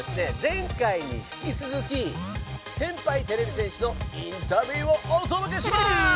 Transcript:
前回に引きつづき先ぱいてれび戦士のインタビューをおとどけします！